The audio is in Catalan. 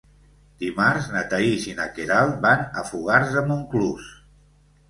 Dimarts na Thaís i na Queralt van a Fogars de Montclús.